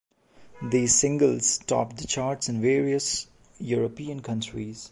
These singles topped the charts in various European countries.